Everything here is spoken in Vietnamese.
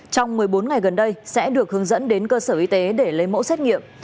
trong một mươi bốn ngày gần đây sẽ được hướng dẫn đến cơ sở y tế để lấy mẫu xét nghiệm